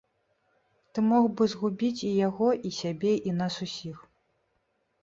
Ты мог бы згубіць і яго, і сябе, і нас усіх.